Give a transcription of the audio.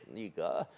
いいか？